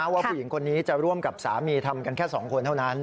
ว่าผู้หญิงคนนี้จะร่วมกับสามีทำกันแค่๒คนเท่านั้น